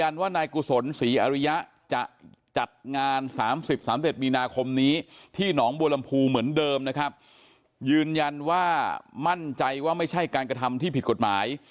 สำเจ็บปีนาคมนี้ที่หนองบลำภูเหมือนเดิมนะครับยืนยันว่ามั่นใจว่าไม่ใช่การกระทำที่ผิดกฎหมาย